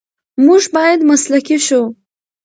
موږ باید مسلکي شو.